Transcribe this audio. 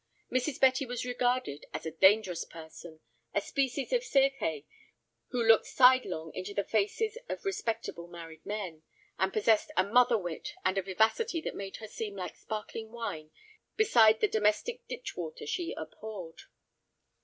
Mrs. Betty was regarded as a dangerous person, a species of Circe who looked sidelong into the faces of respectable married men, and possessed a mother wit and a vivacity that made her seem like sparkling wine beside the "domestic ditch water" she abhorred.